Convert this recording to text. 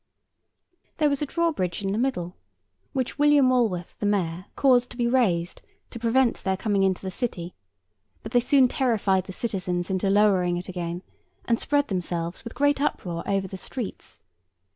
There was a drawbridge in the middle, which William Walworth the Mayor caused to be raised to prevent their coming into the city; but they soon terrified the citizens into lowering it again, and spread themselves, with great uproar, over the streets.